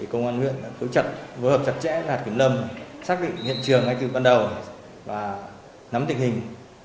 công an nguyện đã phối hợp chặt chẽ với hạt kiểm lâm xác định hiện trường ngay từ ban đầu và nắm tình hình